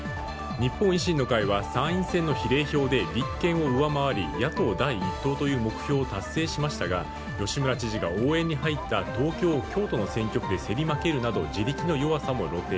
日本維新の会は参院選の比例票で立憲を上回り野党第１党という目標を達成しましたが吉村知事が応援に入った東京、京都の選挙区で競り負けるなど自力の弱さも露呈。